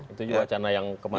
itu wacana yang kemarin